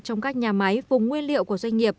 trong các nhà máy vùng nguyên liệu của doanh nghiệp